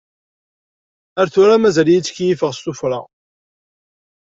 Ar tura mazal-iyi ttkeyyifeɣ s tufra.